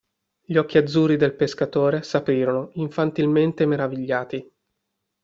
Gli occhi azzurri del pescatore s'aprirono, infantilmente meravigliati.